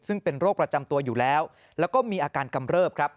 ซึ่งเป็นโรคประจำตัวอยู่แล้วแล้วก็มีอาการกำเริบครับ